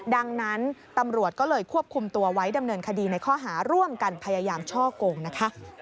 ดังนั้นตำรวจก็เลยควบคุมตัวไว้ดำเนินคดีในข้อหาร่วมกันพยายามช่อกงนะคะ